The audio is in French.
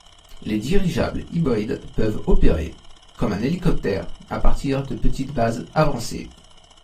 Les dirigeables hybrides peuvent opérer, comme un hélicoptère, à partir de petites bases avancées.